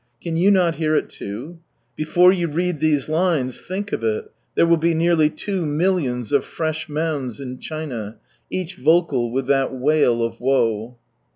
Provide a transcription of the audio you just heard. Can you not hear it too? Before you read these lines^think of it !— there will be nearly two millions of fresh mounds in China, each vocal with that wail of woe.